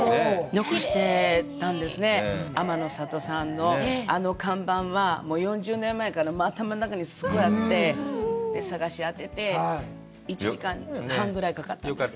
残してたんですね、海女の里さんのあの看板は４０年前から頭の中にすごいあって、探し当てて、１時間半ぐらいかかったんです。